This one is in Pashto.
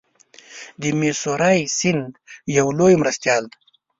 د میسوری سیند یو لوی مرستیال دی.